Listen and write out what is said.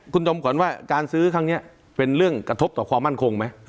คุณจอมขวัญว่าการซื้อครั้งนี้เป็นเรื่องกระทบต่อความมั่นคงไหม